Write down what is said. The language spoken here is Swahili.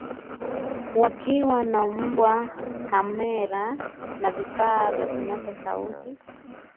wakiwa na mbwa kamera na kifaa vya kunasa sauti